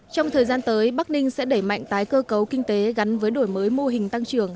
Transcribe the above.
trong thời gian tới bắc ninh sẽ đẩy mạnh tái cơ cấu kinh tế gắn với đổi mới mô hình tăng trưởng